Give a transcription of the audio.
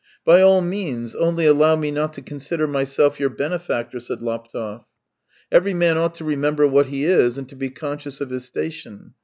"By all means, only allow me not to consider myself your benefactor," said Laptev. " Every man ought to remember what he is, and to be conscious of his station.